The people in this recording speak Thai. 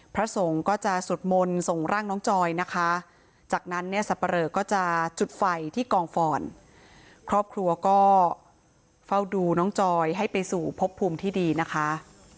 พระสงฆ์ก็จะสวดมนต์ส่งร่างน้องจอยนะคะจากนั้นเนี่ยสับปะเรอก็จะจุดไฟที่กองฟอนครอบครัวก็เฝ้าดูน้องจอยให้ไปสู่พบภูมิที่ดีนะคะ